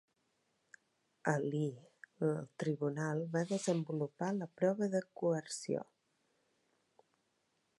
A "Lee" el tribunal va desenvolupar la prova de coerció.